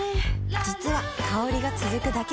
実は香りが続くだけじゃない